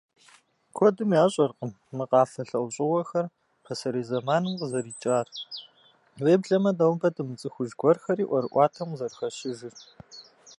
Куэдым ящӏэркъым мы къафэ лӏэужьыгъуэхэр пасэрей зэманым къызэрикӏар, уеблэмэ нобэ дымыцӏыхуж гуэрхэри ӏуэрыӏуатэм къызэрыхэщыжыр.